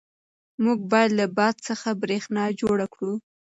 موږ باید له باد څخه برېښنا جوړه کړو.